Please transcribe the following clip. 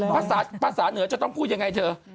ภาษาเหนือจะต้องพูดยังไงเธอ